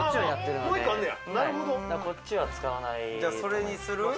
こっちは使わない。